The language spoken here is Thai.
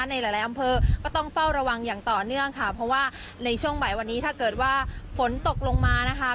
ในหลายอำเภอก็ต้องเฝ้าระวังอย่างต่อเนื่องค่ะเพราะว่าในช่วงบ่ายวันนี้ถ้าเกิดว่าฝนตกลงมานะคะ